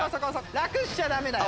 楽しちゃダメだよ。